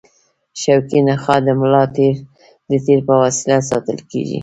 شوکي نخاع د ملا د تیر په وسیله ساتل کېږي.